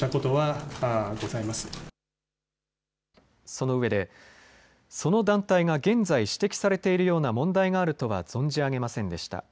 そのうえでその団体が現在指摘されているような問題があるとは存じ上げませんでした。